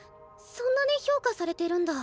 そんなに評価されてるんだ。